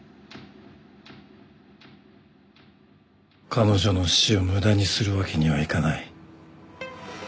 彼女の死を無駄にするわけにはいかない。